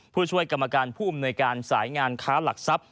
ผู้ช่วยกรรมการผู้อำนวยการสายงานค้าหลักทรัพย